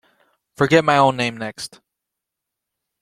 Forget my own name next.